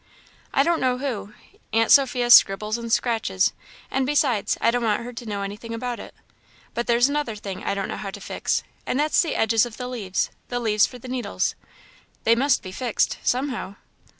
"I don't know who. Aunt Sophia scribbles and scratches, and besides, I don't want her to know anything about it. But there's another thing I don't know how to fix, and that's the edges of the leaves the leaves for the needles they must be fixed somehow."